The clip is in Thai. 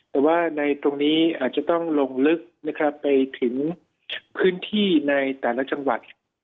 แต่ว่าในตรงนี้อาจจะต้องลงลึกนะครับไปถึงพื้นที่ในแต่ละจังหวัด